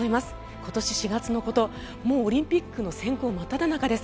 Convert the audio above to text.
今年４月のこともうオリンピックの選考真っただ中です。